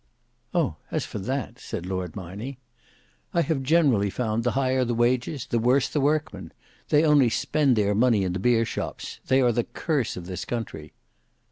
"Oh! as for that," said Lord Marney, "I have generally found the higher the wages the worse the workman. They only spend their money in the beer shops. They are the curse of this country."